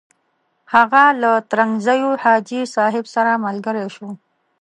هغه له ترنګزیو حاجي صاحب سره ملګری شو.